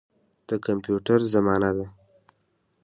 د کمپیوټر زمانه ده.